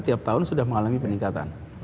tiap tahun sudah mengalami peningkatan